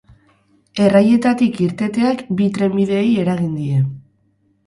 Errailetatik irteteak bi trenbideei eragin die.